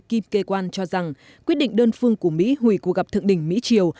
kim kê quan cho rằng quyết định đơn phương của mỹ hủy cuộc gặp thượng đỉnh mỹ triều